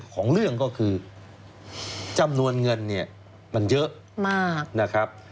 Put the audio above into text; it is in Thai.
ของเรื่องก็คือจำนวนเงินมันเยอะ